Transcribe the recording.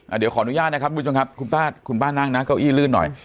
เดี๋ยวขออนุญาตนะครับคุณผู้ชมครับคุณป้าคุณป้านั่งนะเก้าอี้ลื่นหน่อย